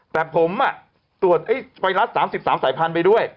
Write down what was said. แต่ผมตรวจไวรัส๓๓สายพันธุ์ไปด้วย